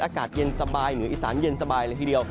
อากาศเย็นสบายเหนืออีสานเย็นสบายเลยทีเดียว